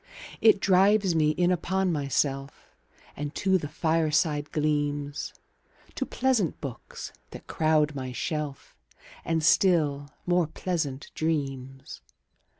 It drives me in upon myself 5 And to the fireside gleams, To pleasant books that crowd my shelf, And still more pleasant dreams.